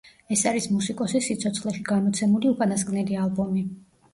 ეს არის მუსიკოსის სიცოცხლეში გამოცემული უკანასკნელი ალბომი.